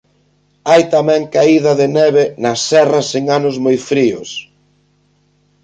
Hai tamén caída de neve nas serras en anos moi fríos.